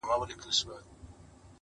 چي له لاسه مي دهقان لره كور اور سو!!